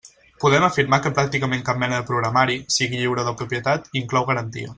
Podem afirmar que pràcticament cap mena de programari, sigui lliure o de propietat, inclou garantia.